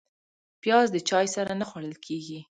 پیاز د چای سره نه خوړل کېږي